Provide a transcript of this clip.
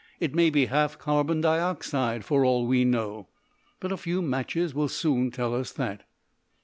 It may be half carbon dioxide for all we know; but a few matches will soon tell us that."